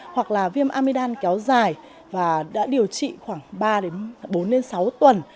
hoặc là viêm amidam kéo dài và đã điều trị khoảng ba đến bốn đến sáu tuần